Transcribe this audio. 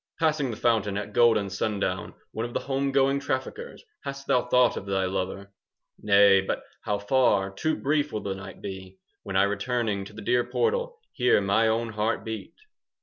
10 Passing the fountain At golden sundown, One of the home going Traffickers, hast thou Thought of thy lover? 15 Nay, but how far Too brief will the night be, When I returning To the dear portal Hear my own heart beat!